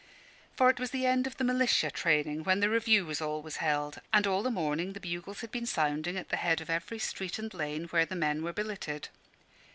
For it was the end of the militia training, when the review was always held; and all the morning the bugles had been sounding at the head of every street and lane where the men were billeted.